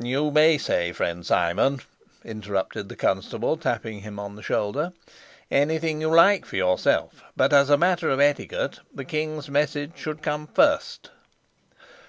"You may say, friend Simon," interrupted the constable, tapping him on the shoulder, "anything you like for yourself, but, as a matter of etiquette, the king's message should come first."